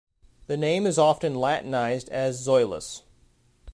The name is often Latinized as "Zoilus".